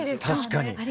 確かに。